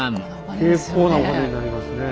結構なお金になりますね。